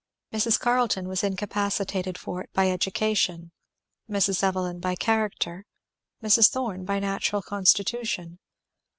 Mrs. Carleton was incapacitated for it by education; Mrs. Evelyn by character; Mrs. Thorn by natural constitution.